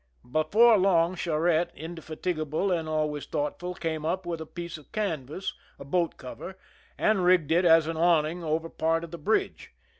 Before long Charette, indefatigable and always thoughtful, came up with a piece of canvas, a boat cover, and riggtsd it as an awning over part of the bridge.